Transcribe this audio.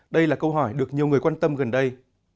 đây là câu hỏi được nhiều người quan tâm gần đây